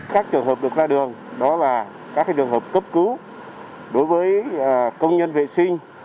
các trường hợp được ra đường đó là các trường hợp cấp cứu đối với công nhân vệ sinh